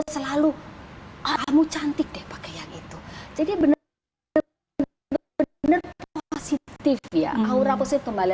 selalu kamu cantik deh pakai yang itu jadi benar benar positif ya aura positif kembali